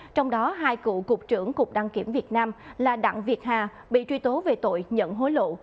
trong đó hai cựu cục trưởng cục đăng kiểm việt nam là đặng việt hà bị truy tố về tội nhận hối lộ